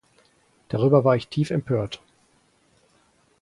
Darüber war ich tief empört.